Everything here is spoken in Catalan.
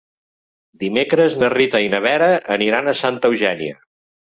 Dimecres na Rita i na Vera aniran a Santa Eugènia.